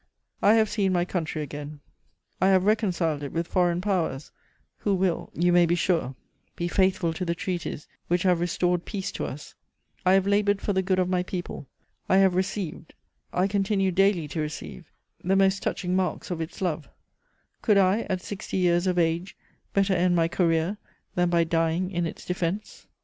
"I have seen my country again; I have reconciled it with foreign Powers, who will, you may be sure, be faithful to the treaties which have restored peace to us; I have laboured for the good of my people; I have received, I continue daily to receive the most touching marks of its love; could I, at sixty years of age, better end my career than by dying in its defense?